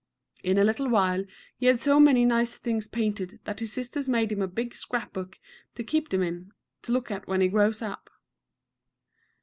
In a little while he had so many nice things painted that his sisters made him a big scrap book to keep them in, to look at when he grows up.